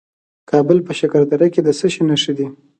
د کابل په شکردره کې د څه شي نښې دي؟